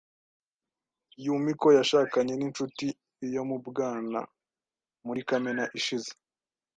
Yumiko yashakanye n'inshuti yo mu bwana muri Kamena ishize.